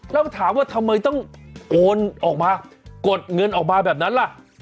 แล้วถามว่าทำไมต้องโอนออกมากดเงินออกมาแบบนั้นล่ะ